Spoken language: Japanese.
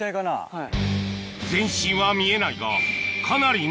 はい。